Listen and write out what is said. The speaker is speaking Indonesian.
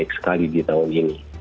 dan sangat baik sekali di tahun ini